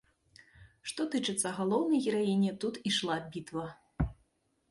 Што тычыцца галоўнай гераіні, тут ішла бітва.